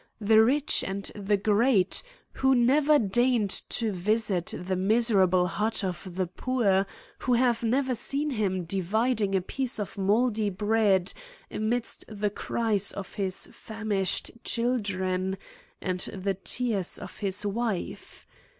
The rich and the great, * who never deigned to visit the miserable hut of 'the poor, whohave never seen him dividing a * piece of mouldy bread, amidst the cries of his * famibhed children and |he tears of his wife.